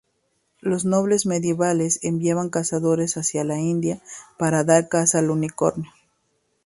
Los nobles medievales enviaban cazadores hacia la India para dar caza al unicornio.